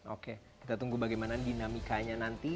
oke kita tunggu bagaimana dinamikanya nanti